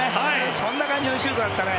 そんな感じのシュートだったね。